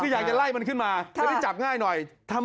อยากจะไล่มันขึ้นมาจะได้จับง่ายหน่อย